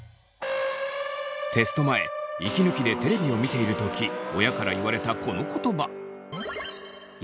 テスト前息抜きでテレビを見ている時親から言われたこの言葉。